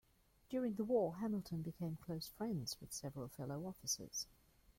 During the war, Hamilton became close friends with several fellow officers.